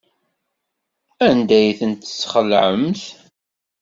Anda ay tent-tesxelɛemt?